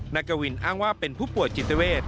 กวินอ้างว่าเป็นผู้ป่วยจิตเวท